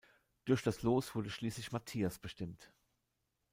Durch das Los wurde schließlich Matthias bestimmt.